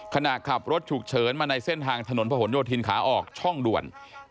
ขณะขับรถฉุกเฉินมาในเส้นทางถนนพระหลโยธินขาออกช่องด่วน